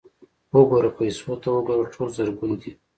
_وګوره، پيسو ته وګوره! ټول زرګون دي.